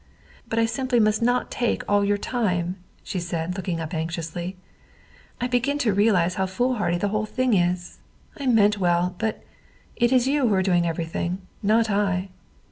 "But I simply must not take all your time," she said, looking up anxiously. "I begin to realize how foolhardy the whole thing is. I meant well, but it is you who are doing everything; not I."